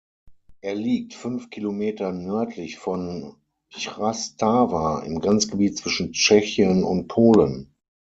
Er liegt fünf Kilometer nördlich von Chrastava im Grenzgebiet zwischen Tschechien und Polen.